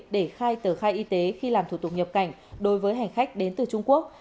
để khai tờ khai y tế khi làm thủ tục nhập cảnh đối với hành khách đến từ trung quốc